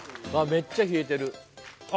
めっちゃ冷えてるああ